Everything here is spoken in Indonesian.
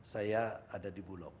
saya ada di bulog